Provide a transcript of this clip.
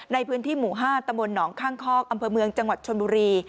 ในพื้นที่หมู่๕ตำบลหนองข้างคอกอำเภอเมืองจังหวัดชนบุรี